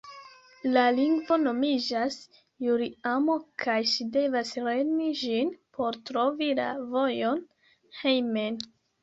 La lingvo nomiĝas Juliamo, kaj ŝi devas lerni ĝin por trovi la vojon hejmen.